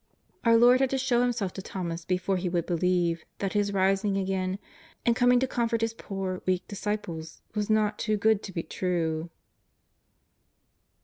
Our Lord had to show Him self to Thomas before he would believe that His rising again and coming to comfort His poor, weak disciples was not too good to be true.